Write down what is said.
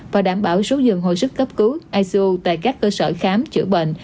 và đảm bảo số dường hồi sức cấp cứu ico tại các cơ sở khám chữa bệnh